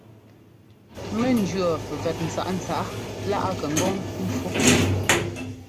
Mɔ ńjʉɔ́ vɛt ntsǎꞌntsǎꞌa lá a kɛ ŋgɔ́ŋ ḿpfú.